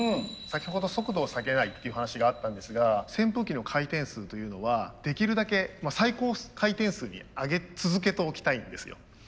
先ほど速度を下げないっていう話があったんですが扇風機の回転数というのはできるだけ最高回転数に上げ続けておきたいんですよ。